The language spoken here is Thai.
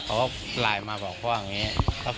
เพราะว่าไลน์มาบอกว่าอย่างเงี้ย